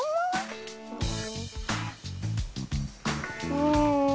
うん。